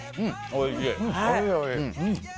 おいしい。